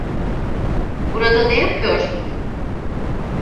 Burada ne yapıyorsunuz?